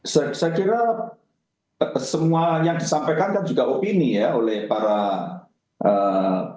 saya kira semua yang disampaikan kan juga opini ya oleh para ee